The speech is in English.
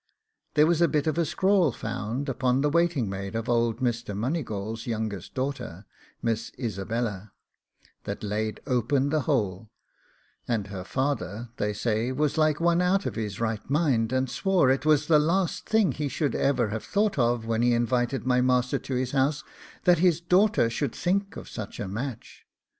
There was a bit of a scrawl found upon the waiting maid of old Mr. Moneygawl's youngest daughter, Miss Isabella, that laid open the whole; and her father, they say, was like one out of his right mind, and swore it was the last thing he ever should have thought of, when he invited my master to his house, that his daughter should think of such a match.